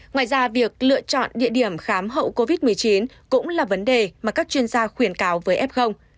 ngoài ra việc lựa chọn địa điểm khám hậu covid một mươi chín cũng là vấn đề mà các chuyên gia khuyến cáo với f